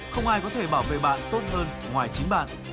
không ai có thể bảo vệ bạn tốt hơn ngoài chính bạn